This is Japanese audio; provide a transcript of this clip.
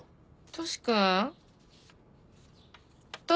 トシ君。